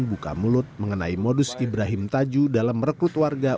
buka mulut mengenai modus ibrahim tajuh dalam merekrut warga